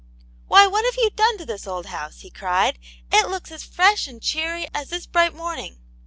"Why, what have you done to this old house?" he cried. " It looks as fresh and cheery as this bright morning